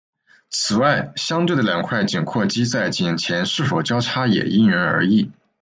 此外相对的两块颈阔肌在颈前是否交叉也因人而异。